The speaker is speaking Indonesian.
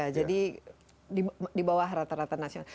jadi di bawah rata rata nasional